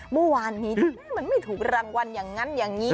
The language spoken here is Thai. เมื่อวานนี้มันไม่ถูกรางวัลอย่างนั้นอย่างนี้